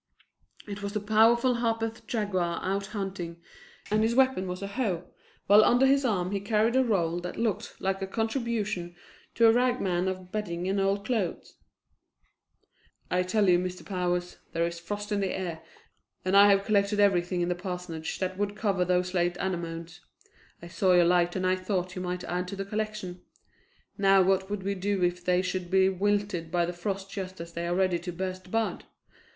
It was the powerful Harpeth Jaguar out hunting, and his weapon was a hoe, while under his arm he carried a roll that looked like a contribution to a rag man of bedding and old clothes. "I tell you, Mr. Powers, there is frost in the air and I have collected everything in the parsonage that would cover those late anemones. I saw your light and I thought you might add to the collection. Now what would we do if they should be wilted by the frost just as they are ready to burst bud?